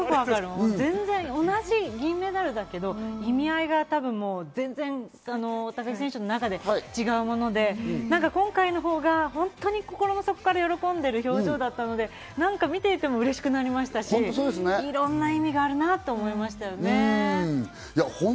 同じ銀メダルだけど意味合いが多分、高木選手の中で違うもので、今回のほうが本当に心の底から喜んでる表情だったので、見ていてもうれしくなりましたし、いろんな意味があるなって思いましたね。